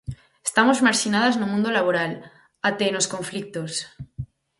Estamos marxinadas no mundo laboral, até nos conflitos.